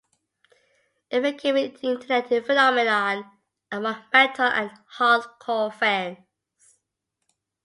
It became an "internet phenomenon among metal and hardcore fans".